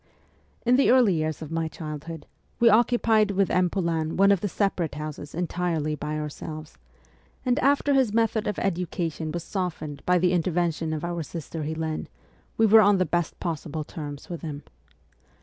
In the early years of my childhood we occupied with M. Poulain one of the separate houses entirely by our selves ; and after his method of education was softened by the intervention of our sister Helene, we were on the best possible terms with him.